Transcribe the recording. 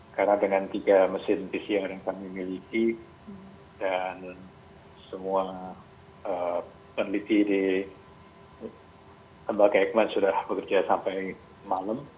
karena dengan tiga mesin pcr yang kami miliki dan semua peneliti di lembaga ekman sudah bekerja sampai malam